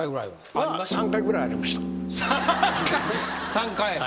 ３回。